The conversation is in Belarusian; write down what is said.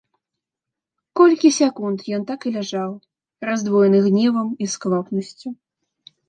Колькі секунд ён так і ляжаў, раздвоены гневам і сквапнасцю.